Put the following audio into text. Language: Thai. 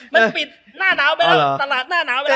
เดี๋ยวมันปิดหน้าน้าวไปแล้ว